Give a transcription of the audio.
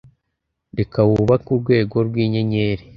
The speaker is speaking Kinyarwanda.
reka wubake urwego rwinyenyeri